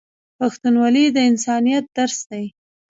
پښتونولي د انسانیت درس دی.